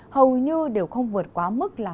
hầu như đều không vượt quá mức là ba mươi bốn độ